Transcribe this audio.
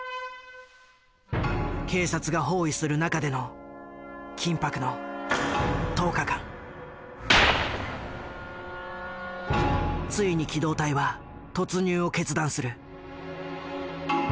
警察が包囲する中での緊迫のついに機動隊は突入を決断する。